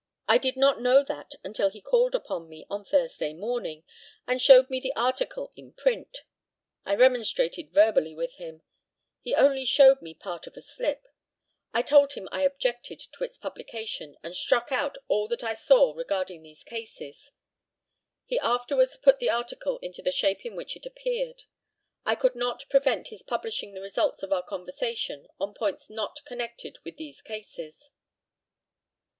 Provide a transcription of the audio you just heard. I did not know that until he called upon me on Thursday morning, and showed me the article in print. I remonstrated verbally with him. He only showed me part of a slip. I told him I objected to its publication, and struck out all that I saw regarding these cases. He afterwards put the article into the shape in which it appeared. I could not prevent his publishing the results of our conversation on points not connected with these cases."